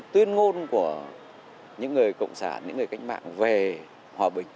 tuyên ngôn của những người cộng sản những người cách mạng về hòa bình